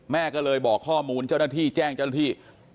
แม่ก็เลยบอกข้อมูลเจ้าหน้าที่แจ้งเจ้าหน้าที่